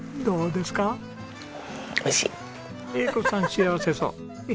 幸せそう！